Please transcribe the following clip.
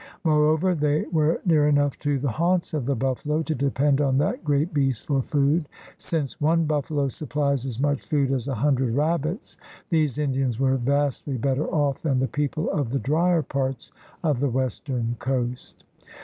Moreover they were near enough to the haunts of the buffalo to depend on that great beast for food. Since one buffalo supplies as much food as a hundred rabbits, these Indians were vastly bet ter off than the people of the drier parts of the western coast.